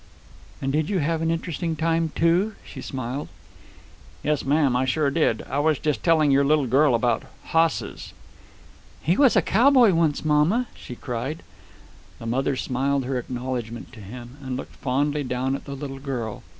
"And did you have an interesting time, too!" she smiled. "Yes, ma'am. I sure did. I was just telling your little girl about hosses." "He was a cowboy, once, mamma," she cried. The mother smiled her acknowledgment to him, and looked fondly down at the little girl.